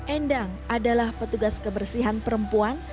endang adalah petugas kebersihan perempuan